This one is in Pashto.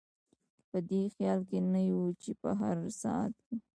په دې خیال کې نه یو چې په هر ساعت کې.